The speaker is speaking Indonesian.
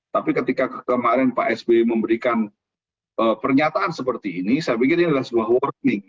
tapi ketika kemarin pak sby memberikan pernyataan seperti ini saya pikir ini adalah sebuah warning